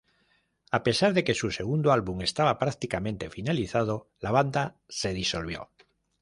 A pesar de que su segundo álbum estaba prácticamente finalizado, la banda se disolvió.